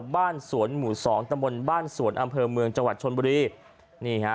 บ้านสวนหมู่สองตะบนบ้านสวนอำเภอเมืองจังหวัดชนบุรีนี่ฮะ